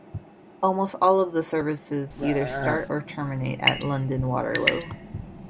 Almost all of the services either start or terminate at London Waterloo.